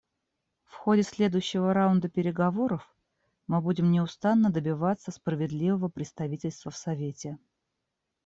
В ходе следующего раунда переговоров мы будем неустанно добиваться справедливого представительства в Совете.